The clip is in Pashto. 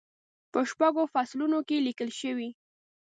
په شپږو فصلونو کې لیکل شوې.